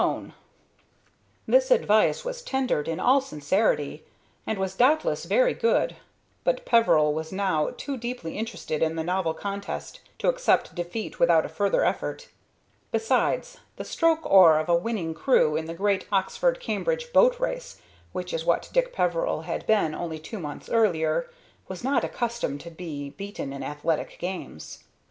[Illustration: "IN BREATHLESS SILENCE THE GROUP WATCHED PEVERIL'S MOVEMENTS"] This advice was tendered in all sincerity, and was doubtless very good, but Peveril was now too deeply interested in the novel contest to accept defeat without a further effort. Besides, the stroke oar of a winning crew in the great Oxford Cambridge boat race, which is what Dick Peveril had been only two months earlier, was not accustomed to be beaten in athletic games.